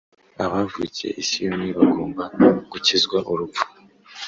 Abavukiye i Siyoni bagomba gukizwa urupfu